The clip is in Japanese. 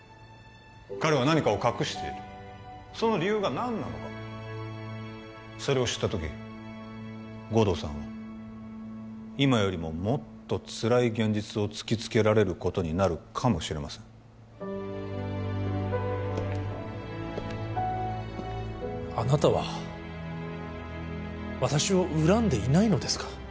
彼は何かを隠しているその理由が何なのかそれを知った時護道さんは今よりももっとつらい現実を突きつけられることになるかもしれませんあなたは私を恨んでいないのですか？